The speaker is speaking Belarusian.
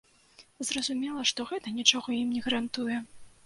Зразумела, што гэта нічога ім не гарантуе.